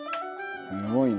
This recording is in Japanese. すごいな。